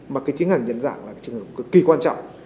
mà cái tiến hành nhận dạng là cái trường hợp cực kỳ quan trọng